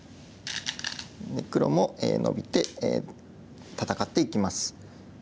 黒もノビて戦っていきます。